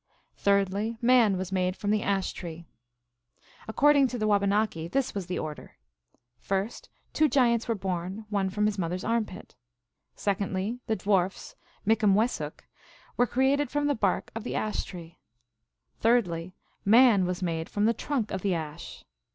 Thirdly, man was made from the ash tree. According to the Wabanaki, this was the order : First, two giants were born, one from his mother s armpit. Secondly, the dwarfs (Mikumwessuk) were created from the bark of the ash tree. Thirdly, man was made from the trunk of the ash.